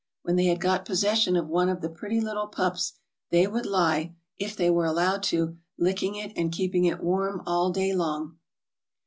When they had got possession of one of the pretty little pups, they would lie — if they were allowed to — licking it and keeping it warm all day long.